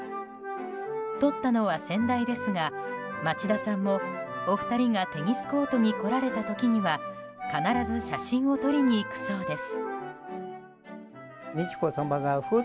撮ったのは先代ですが町田さんもお二人がテニスコートに来られた時には必ず写真を撮りに行くそうです。